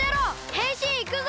へんしんいくぞ！